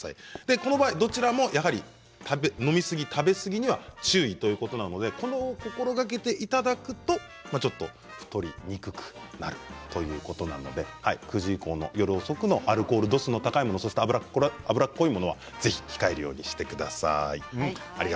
この場合どちらもやはり飲みすぎ、食べ過ぎには注意ということなのでこれを心がけていただくと太りにくくなるということなので９時以降の夜遅くのアルコール度数の高いもの油っこいものはぜひ控えるようにしてください。